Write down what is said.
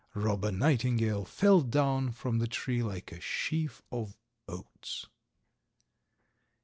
Robber Nightingale fell down from the tree like a sheaf of oats.